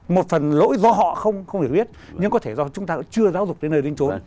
một phần lỗi do họ không hề biết nhưng có thể do chúng ta chưa giáo dục đến nơi đến trốn